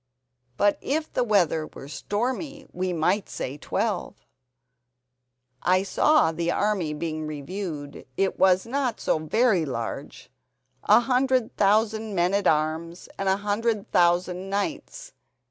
But if the weather were stormy we might say twelve. I saw the army being reviewed. It is not so very large—a hundred thousand men at arms and a hundred thousand knights.